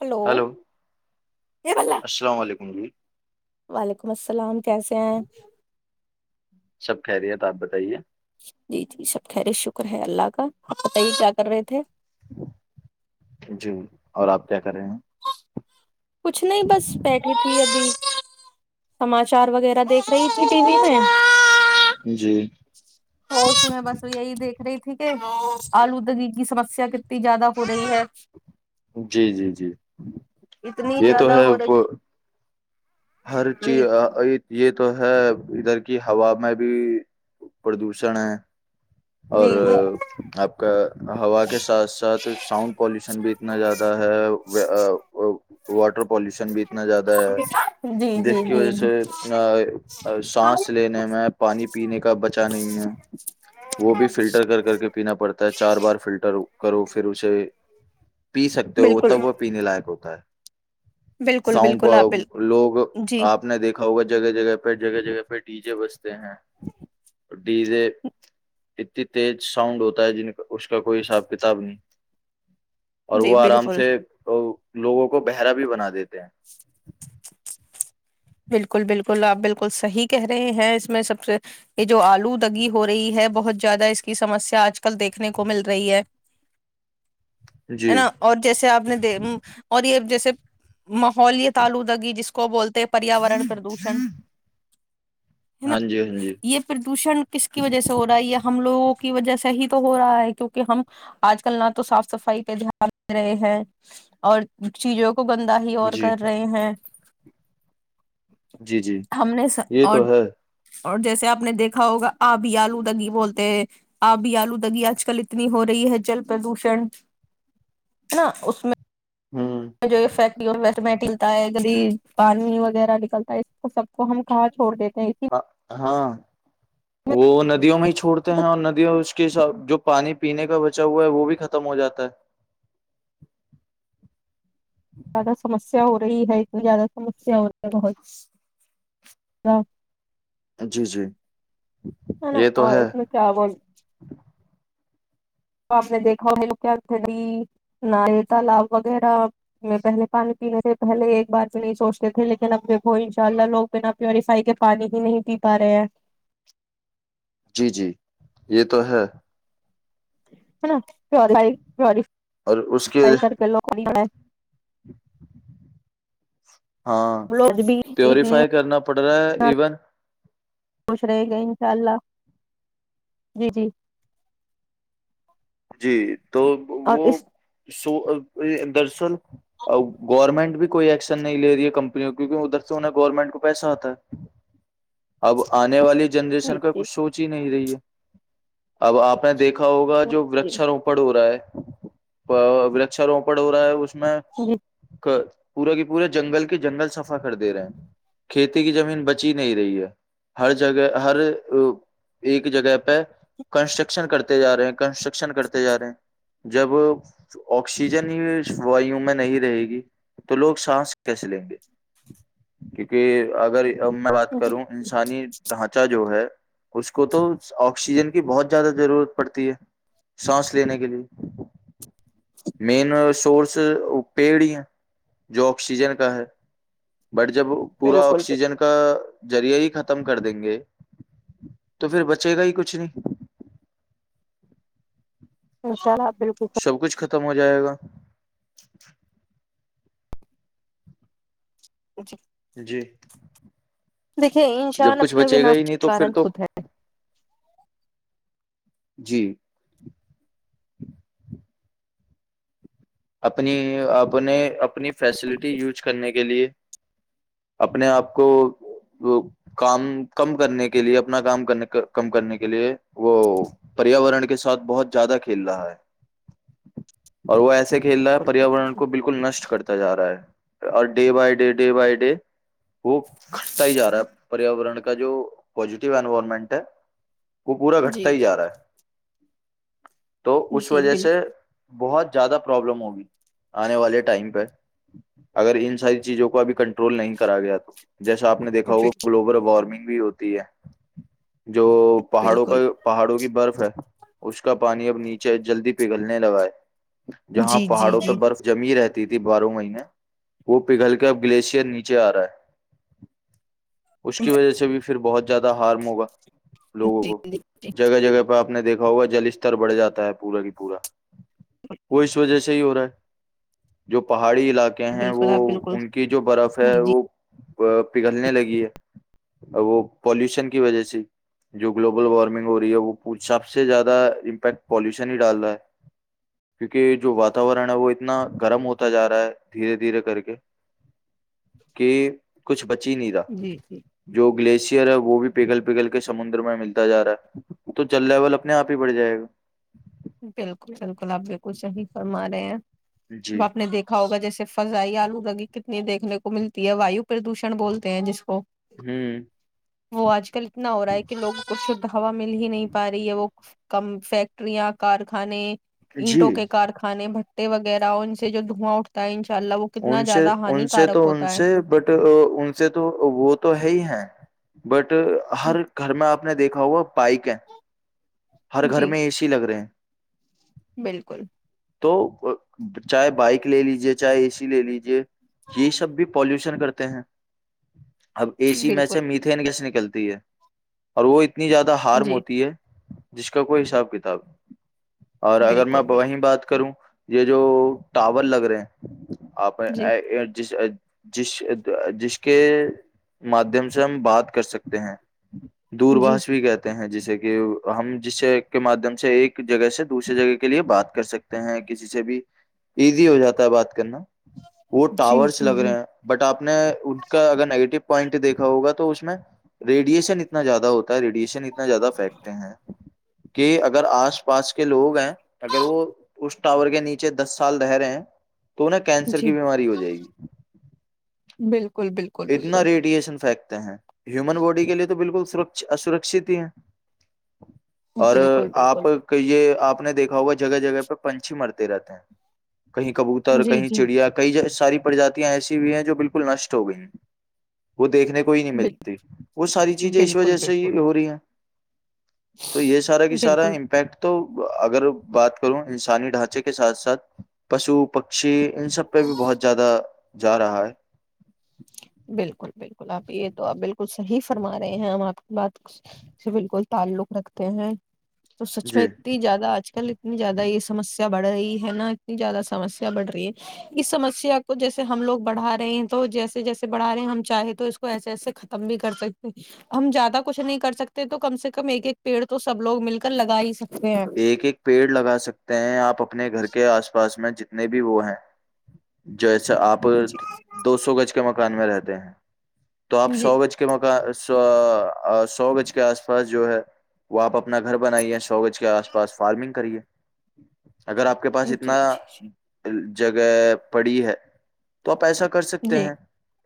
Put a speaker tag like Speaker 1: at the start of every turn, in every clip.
Speaker 1: Hello
Speaker 2: hello
Speaker 1: اے بلا
Speaker 2: السلام علیکم ر
Speaker 1: وعلیکم السلام کیسے ہیں
Speaker 2: سب خیریت اپ بتائیے
Speaker 1: جی جی سب خیر شکر ہے اللہ کا آپ بتائیے کیا کر رہے تھے
Speaker 2: جی اور آپ کیا کر رہے ہیں
Speaker 1: کچھ نہیں بس پیک ہی تھی ابھی سماچار وغیرہ دیکھ رہی تھی ٹی وی میں
Speaker 2: جی
Speaker 1: تو تمہیں بس یہی دیکھ رہی تھی کہ آلوود کی کی سمسیا ک زیادہ ہو رہی ہے
Speaker 2: جی جی جی
Speaker 1: اتنی
Speaker 2: یہ تو
Speaker 1: زیادہ
Speaker 2: ہے
Speaker 1: ہو رک
Speaker 2: وہ ہر چیز یہ تو ہے ادھر کی ہوا میں بھی پردوشن ہے اور
Speaker 1: جی جی
Speaker 2: آپ کا ہوا کے ساتھ ساتھ ساؤنڈ پالوشن بھی اتنا زیادہ ہے واٹر پالوشن بھی اتنا زیادہ
Speaker 1: جی
Speaker 2: ہے جس
Speaker 1: جی
Speaker 2: کی
Speaker 1: جی
Speaker 2: وجہ
Speaker 1: جی
Speaker 2: سے سانس لینے میں پانی پانی پینے کا بچا نہیں ہے وہ بھی فلٹر کر کر کے پینا پڑتا ہے چار بار فلٹر کرو پھر اسے پی سکتے ہو وہ تب وہ پینے لائق ہو ہے
Speaker 1: بالکل
Speaker 2: ساؤنڈ
Speaker 1: بالکل آ بالکل
Speaker 2: پر لوگ
Speaker 1: جی
Speaker 2: آپ نے دیکھا ہوگا جگہ جگہ پہ جگہ جگہ پہ پ ڈی جے بجتے ہیں ڈی جے اتنی تیز ساؤنڈ ہوتا ہے جن اس کا کوئی حساب کتاب نہیں اور
Speaker 1: جی
Speaker 2: وہ آرام
Speaker 1: بالکل
Speaker 2: سے لوگوں کو بہرا بھی بنا دیتے ہیں
Speaker 1: بالکل بالکل آپ بالکل صحیح کہہ رہے ہیں اس میں سب سے یہ جو آلو دگی ہو رہی ہے بہت زیادہ اس کی سمسیا آج کل دیکھنے کو مل رہی ہے ہے
Speaker 2: جی
Speaker 1: نا اور جیسے آپ نے دے اور یہ جیسے ماحولتلودگی جس کو بولتے پیاورن پردوشن ہے نا
Speaker 2: ہاں جی ہاں جی
Speaker 1: یہ پردوشن کس کی وجہ سے ہو رہا ہے یہ ہم لوگ کی وجہ سےح ہی تو ہو رہا ہے کیونکہ ہم آج کل نہ تو صاف صفائی پہ دھیان دے رہے ہیں اور چیزوں کو کو گندہ ہی اور
Speaker 2: جی
Speaker 1: کر رہے ہیں
Speaker 2: جی جی
Speaker 1: ہم نے س-
Speaker 2: یہ تو
Speaker 1: اور
Speaker 2: ہے
Speaker 1: اور جیسے آپ نے دیکھا ہوگا آبی آلوودگی بولتے آبی آلوودگی آج کل اتنی ہو رہی ہے جل پردوشن ہے نا اس میں
Speaker 2: ہوں
Speaker 1: جو فیک مٹلتا ہے پانی وغیرہ نکلتا ہے سب کو ہم کہاں چھوڑ دیتے ہیں اسی
Speaker 2: ہ ہاں وہ ندیوں میں ہی چھوڑتے ہیں اور ندیوں اس اس کےس جو پانی پینے کا بچا ہوا ہے وہ بھی ختم ہو جاتا ہے
Speaker 1: زیادہ سمسیا ہو رہیت زیادہ سمیا ہو رہ بہت ہ
Speaker 2: جی جی
Speaker 1: ہ ن
Speaker 2: یہ تو
Speaker 1: اور
Speaker 2: ہے
Speaker 1: اس س چابول تو آپ نے دیکھا ہو م کیا تھی نہ یہ تالاب وغیرہ میں پہلے پانی پینے تھے پہلے ایک بار تو نہیں سوچتے تھے لیکن اب دیکھو انشاء اللہ لوگ بنا پیوریفائی کے پانی ہی نہیں پی پا رہے ہیں
Speaker 2: جی جی یہ تو ہے
Speaker 1: ہ نا پ پ
Speaker 2: اور اس
Speaker 1: پھائی کر کے لوگ نہیں
Speaker 2: [unintelligible] ہاں
Speaker 1: لوگ بھی اتنی
Speaker 2: پیوریفائی کرنا پڑ رہا ہے ایون
Speaker 1: خوش رہے گے انشاء اللہ جی جی
Speaker 2: جی تو
Speaker 1: اور
Speaker 2: وہ
Speaker 1: اس
Speaker 2: سو در سر ا گورنمنٹ بھی کوئی ایکشن نہیں لے رہی ہے کمپنیوں کیکہ ادھر سے انہیں گورنمنٹ کو پیسہ آتا ہے اب آنے والی
Speaker 1: جی
Speaker 2: جنریشن کا
Speaker 1: جی
Speaker 2: کچھ سونچ ہی نہیں رہی ہے اب آپ نے دیکھا ہوگا جو ورت
Speaker 1: جی
Speaker 2: اچھروںو پڑ ہو رہا ہے ورچا روپڑ ہو رہا ہے اس میں ک پورا کے پورے جنگل کے جنگل سفا کر دے رہے ہیں کھیتی کی زمین بچی نہیں رہی ہے ہر جگہ ہر ایک جگہ پہ کنسٹرکشن کرتے جا رہے ہیں کنٹ کرتے جا رہے ہیں جب آکسیجن ہی وو میں نہیں رہے گی تو لوگ سانس کیسے لیں گے کیونکہ اگر اب میں بات
Speaker 1: جی جی
Speaker 2: کروں انسانی ڈھانچہ جو ہے اس کو تو آکسیجن کی بہت زیادہ ضرورت پڑتی ہے سانس لینے کے لیے مین سورورس پیڑ ہیں جو آکسیجن کا ہے بٹ جب پورا
Speaker 1: بالکل بالکل
Speaker 2: آکسیجن کا ذریعے ہی ختم کر دیں گے تو پھر بچے گا ہی کچھ نہیں
Speaker 1: اچھاء
Speaker 2: سب کچھ خم ختم ہو جائے گا
Speaker 1: ج جی
Speaker 2: جی
Speaker 1: دیکھے انشان
Speaker 2: جب کچھ
Speaker 1: اپنے
Speaker 2: بچے گا ہی
Speaker 1: وناش
Speaker 2: نہیں تو پھر
Speaker 1: کارن
Speaker 2: تو
Speaker 1: خود ہے
Speaker 2: جی اپنی اپنے اپنی فیسلٹی یوج کرنے کے لیے اپنے آپ کو کام کم کرنے کے لیے اپنا کامنے کم کرنے کے لیے وہ پریاورن کے ساتھ بہت زیادہ کھیل رہا ہے اور وہ ایسے کھیل رہا ہے پریاورن کو بالکل نشٹ کرتا جا رہا ہے اور day by day day by day وہ کٹتا ہی جا رہا ہے پریاورن کا جو پزیٹیو انوائرمنٹ ہے کو پورا گھٹتا
Speaker 1: جی
Speaker 2: ہی جا
Speaker 1: جی
Speaker 2: رہا ہے تو اس
Speaker 1: جی
Speaker 2: وجہ سے
Speaker 1: بالکل
Speaker 2: بہت زیادہ پرابلم ہوگی آنے والے ٹائم پہ اگر ان ساری چیزوں کو ابھی کنٹرول نہیں کرا گیا تو جیسا آ نے دیکا ہوگا گوب وارمنگ بھی ہوتی ہے جو پہاڑوں کا
Speaker 1: بالکل
Speaker 2: پہاڑوں کی برف ہے اس کا پانی اب نیچے جلدی پگھلنے لگا ہے جہاں
Speaker 1: جی جی
Speaker 2: پہاڑوں پہ
Speaker 1: جی
Speaker 2: برف جمی رہتی تھی باروں مہینے وہ پگھل کے اب گلیشئر نیچے آ رہا ہے اس کی وجہ سے بھی پھر بہت زیادہ ہارم ہوگا لوگوں
Speaker 1: جی
Speaker 2: کو
Speaker 1: جی
Speaker 2: جگہ جگہ پہ آپ آپ نے دیکھا ہوا جلستتر بڑھ جاتا ہے پورا کی پورا
Speaker 1: اچ [unintelligible]
Speaker 2: وہ اس وجہ سے ہی ہو رہا ہے جو پہ پہاڑی علاقے ہیں وہ
Speaker 1: بالکل آپ بالکل
Speaker 2: ان کی جو برف ہے
Speaker 1: جی جی
Speaker 2: وہ پگھلنے لگی ہے وہ پالوشن کی وجہ سے جو گلوبل وارمنگ ہو رہی ہے وہ سب سے زیادہ امپیکٹ پالوشن ہی ڈال رہا ہے کیونکہ جو وااتورن ہے وہ اتنا گرم ہوتا جا رہا ہے دھیرے دھیرے کر کے کہ کچھ ب چ نہیں تھا
Speaker 1: جی جی
Speaker 2: جو گش وہ بھی پگل پگل کے سمندر میں ملتا جا رہا ہے وہ تو چل رہا ہے بول اپنے آپ ہی بڑ جائے گا
Speaker 1: بالکل بالکل آپ بالکل صحیح فرما رہے ہیں ا
Speaker 2: جی
Speaker 1: آپ نے دیکھا ہوگا جیسے فضائی آلو رگی کتنی دیکھنے کو ملتی ہے وایو پردوشن بولتے ہیں جس کو
Speaker 2: ہوں
Speaker 1: وہ آج کل ن ہوور ہے کے لوگ کچھ ہوا مل ہی نہیں پا رہی ہے وہ کم فیکٹریاں کارخانے
Speaker 2: جی
Speaker 1: اینٹوں کے کارخانے ب وغیرہ اور ان سے جو دواں اٹتا ہے ان
Speaker 2: ان سے ان سے تو ان سے
Speaker 1: ہے
Speaker 2: بٹ ان سے تو وہ تو ہے ہی ہیں بٹ ہر گھر میں آپ آپ نے دیکھا ہوا پائک ہے ہر گھر
Speaker 1: جی
Speaker 2: میں اے سی لگ رہے ہیں
Speaker 1: بالکل [inaudible]
Speaker 2: تو چاہے بائک لے لیجے چاہے اے سی لے لیجے یہ سب بھی پالوشن کرتے ہیں اب اےی میں
Speaker 1: بالکل
Speaker 2: سے میتین کیس نکلتی ہے اور وہ ا اتنی زیادہ ہارم
Speaker 1: جی
Speaker 2: ہوتی ہے جس کا کوئی حساب کتاب اور اگر میں
Speaker 1: بالکل بالکل
Speaker 2: وہیں بات کروں یہ جو ٹاور لگ رہے آ
Speaker 1: جی
Speaker 2: جس جس جس کے مادادھیم سے ہم بات کر سکتے ہیں
Speaker 1: جی
Speaker 2: دورباش بھی کہتے ہیں جس ج کہ ہم جس کے مادھیم سے ایک جگہ سے دوسرے جگہ کے لیے بات کر سکتے ہیں کسی سے بھی ایزی ہو جاتا ہے بات کرنا وہ
Speaker 1: جی
Speaker 2: ٹاورس
Speaker 1: جی
Speaker 2: لگ
Speaker 1: جی
Speaker 2: رہے ہیں بٹ آپ نے ان کا اگر نگیٹو پوائنٹ دیکھا ہوگا تو اس میں ریڈیشن اتنا زیادہ ہوتا ہے ریڈیشن اتنا زیادہ فیکٹ کہ اگر آس پاس کے لوگ ہیں اگر وہ اس ٹاور کے نیچے دس سال رہ رہے ہیں تو انیں کینسر
Speaker 1: جی
Speaker 2: کی بیماری ہو جائے گی
Speaker 1: بالکل بالکل
Speaker 2: اتنا
Speaker 1: بالکل
Speaker 2: ریڈیشن فیکٹر ہیں ہیومن باڈی کے لیے تو بالکل سرکشت ہی ہیں اور
Speaker 1: بالکل
Speaker 2: آپ
Speaker 1: بالکل
Speaker 2: کہے آپ آپ نے دیکھا ہوا جگہ جگہ پہ پنچھی مرتے رہتے ہیں کہیں کبوتر
Speaker 1: جی
Speaker 2: کہیں
Speaker 1: جی
Speaker 2: چڑیا کئی ج ساری پرجاتیاں ایسی ہوئی ہیں جو بالکل نشٹ ہو گئی ہیں وہ دیکھنے بھی کوئی نہیں
Speaker 1: بالکل
Speaker 2: ملتی وہ ساری چیزیں اس
Speaker 1: بالکل
Speaker 2: وجہ سے ہی ہو رہی ہیں تو یہ سارا کہ سارا
Speaker 1: بالکل
Speaker 2: امپیکٹ تو اگر بات کروں انسانی ڈھانچے کے ساتھ ساتھ پشو پکشی ان سب پہ بھی بہت زیادہ جا رہا ہے
Speaker 1: بالکل بالکل آپ یہ تو آپ بالکل صحیح فرما رہے ہیں ہم آپ کی بات سے بالکل تعلق رکھتے ہیں تو سچ میں
Speaker 2: جی
Speaker 1: اتنی زیادہ آج کل اتنی زیادہ اس سمسیا بڑھ رہی ہے نا اتنی زیادہ سمسیا بڑھ رہی ہے اس سمسیا کو جیسے ہم لوگ بڑھا رہے ہیں تو جیسے جیسے بڑھا رہے ہیں ہم چاہے تو اس کو ایسے ایسے ختم بھی کر سکتے ہم زیادہ کچھ نہیں کر سکتے تو کم سے کم ایک ایک پیڑ تو سب لوگ مل کر لگا ہی سکتے ہیں
Speaker 2: ایک ایک پیڑ لگا سکتے ہیں آپ اپنے گھر کے آس پاس میں جتنے بھی وہ ہیں جیسے اچھا آپ
Speaker 1: جی
Speaker 2: دو سو گز کے مکان میں رہتے تے ہیں تو آپ
Speaker 1: جی
Speaker 2: سو بج کے موقع سو سو گز کے آس پاس جو ہے وہ آپ اپنا گھر بنائیے ہے سوگج کے آس پاس فارمنگ کریے اگر آپ کے پاس اتنا
Speaker 1: جی جی جی
Speaker 2: جگہ پڑی ہے تو آپ ایسا کر سکتے
Speaker 1: جی
Speaker 2: ہیں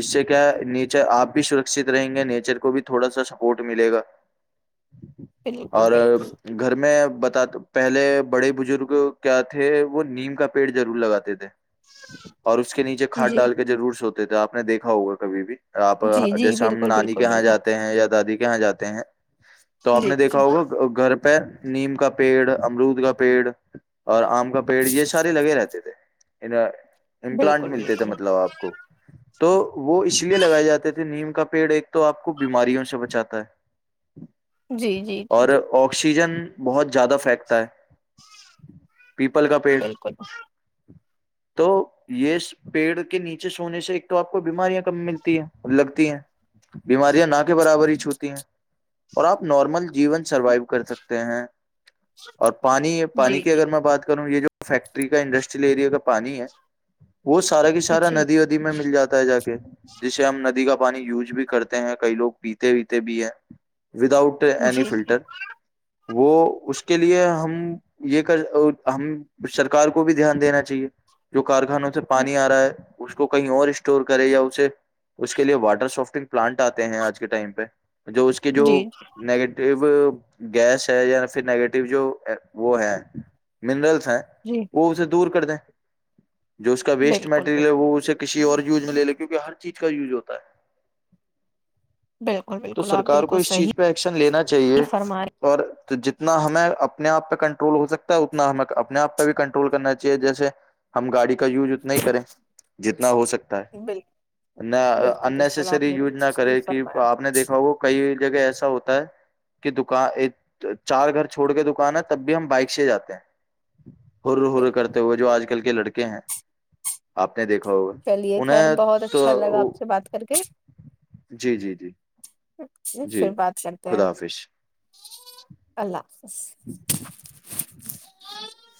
Speaker 2: اس سے کیا ہے نیچر آپ بھی سرکشت رہیں گے نیچر کو بھی تھوڑا سا سپورٹ ملے گا
Speaker 1: بالکل
Speaker 2: اور
Speaker 1: بالکل
Speaker 2: گھر میں بتا پہلے بڑے بزرگ کیا تھے وہ نیم کا پیڑ ضرور لگاتے تھے اور اس کے نیچے کھاد
Speaker 1: جی
Speaker 2: ڈال کے ضرور س ہوتا تو آپ دیکھا ہوگا کبھی بھی آپ
Speaker 1: جی جی
Speaker 2: جیسے ہم
Speaker 1: بالکل
Speaker 2: نانی کے
Speaker 1: بالکل
Speaker 2: یہاں
Speaker 1: بالکل
Speaker 2: جاتے ہیں یا دادی کہاں جاتے ہیں [unintelligible] تو آپ
Speaker 1: جی
Speaker 2: نے دیکھا
Speaker 1: جی
Speaker 2: ہوگا گھر [inaudible] پے [inaudible] [inaudible] نیم کا پیڑ امرود کا پیڑ اور آم کا پیڑ یہ سارے لگے رہتے تھ امپلانٹ
Speaker 1: بالکل
Speaker 2: ملتے تھے
Speaker 1: بالکل
Speaker 2: مطلب آپ کو تو وہ اس لیے لگائے جاتے تھے نیم کا پیڑ ایک تو آپ کو بیماریوں سے بچاتا ہے
Speaker 1: جی جی جی
Speaker 2: سیزن بہت زیادہ پھینکتا ہے پیپل کا پیڑ
Speaker 1: بالکل
Speaker 2: تو یہ پیڑ کے نیچے سونے سے ایک تو آپ کو بیماریاں کم ملتی ہیں لگتی ہیں بیماریاں نہ کے برابر ہی چھوتی ہیں اور آپ نارمل جیون سروائو کر سکتے ہیں اور پانی پانی
Speaker 1: جی
Speaker 2: کی
Speaker 1: جی
Speaker 2: اگر میں بات کروں یہ جو وہ فیکٹری کا انڈسٹریل ایریا کا پانی ہے وہ سارا کی سارا
Speaker 1: جی
Speaker 2: ندی ودی میں مل جاتا ہے جا کے جسے ہم ندی کا پانی یوز بھی کرتے ہیں کئی لوگ پیتے ویتے بھی ہے وداؤٹ اینی
Speaker 1: جی جی
Speaker 2: فلٹر وہ اس کے لیے ہم یہ کر ہم سرکار کو بھی دھیان دینا چاہیے جو کارخانوں سے پانی آ رہا ہے اس کو کہیں اور اسٹور کرے یا اسے اس کے لیے واٹر سافٹنگ پلانٹ آتے ہیں آج کے ٹائم پہ جو اس کے جو
Speaker 1: جی
Speaker 2: نیگیٹیو گیس ہے یا پھر نیگیٹو جو وہ ہے منرلس ہے
Speaker 1: جی
Speaker 2: وہ اسے دور کر کرتے جو اس کا ویسٹ
Speaker 1: بالکل
Speaker 2: مٹیریل ہے
Speaker 1: بالکل
Speaker 2: وہ اسے [unintelligible] کسی اور یوز میں لے لے کیونکہ ہر چیز کا یوز ہوتا ہے [unintelligible]
Speaker 1: بالکل
Speaker 2: تو
Speaker 1: بالکل آپ
Speaker 2: سرکار کو
Speaker 1: بالکل
Speaker 2: اس چیز پہ
Speaker 1: صحیح
Speaker 2: ایکشن لینا چاہیے
Speaker 1: فرما
Speaker 2: اور [unintelligible] جتنا ہمیں [unintelligible] اپنے آپ پہ کنٹرول ہو سکتا ہے اتنا ہمیں اپنے آپ پہ بھی کنٹرول کرنا چاہیے جیسے ہم گاڑی [unintelligible] کا یوز اتنا نہیں کریں [unintelligible] جتنا ہو سکتا [unintelligible]
Speaker 1: رہے ہیں۔ بال بالکل بالکل
Speaker 2: انسری
Speaker 1: آپ نے
Speaker 2: یوز نہ
Speaker 1: بالکل صحیح
Speaker 2: کرے کہ
Speaker 1: فرمایا
Speaker 2: آپ نے دیکھا وہ کئی جگہ ایسا ہوتا ہے [unintelligible] کہ دکان ایک [unintelligible] چار گھر چھوڑ کے دکان ہے تب بھی ہم بائک سے جاتے ہیں [unintelligible] ہر ہر
Speaker 1: بالکل
Speaker 2: کرتے ہوئے
Speaker 1: بالکل
Speaker 2: جو آج
Speaker 1: بالکل
Speaker 2: کل کے لڑکے ہیں [unintelligible] آپ دیکھا ہوگا
Speaker 1: چلیے خیر
Speaker 2: انہیں
Speaker 1: بہت
Speaker 2: تو
Speaker 1: اچھا لگا آپ سے بات کر کے
Speaker 2: جی جی جی
Speaker 1: اچ پھر
Speaker 2: جی
Speaker 1: بات کرتے ہیں
Speaker 2: خدا
Speaker 1: اللہ
Speaker 2: جی